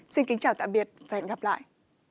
xin kính chào tạm biệt và hẹn gặp lại